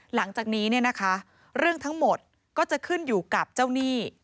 หลังจากนี้เนี่ยนะคะเรื่องทั้งหมดก็จะขึ้นอยู่กับเจ้าหนี้